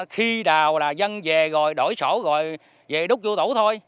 khi đào là dân về rồi đổi sổ rồi về đút vô tủ thôi